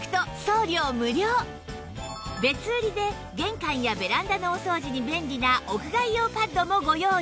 別売りで玄関やベランダのお掃除に便利な屋外用パッドもご用意